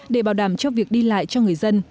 để bảo đảm cho việc đi lại cho người dân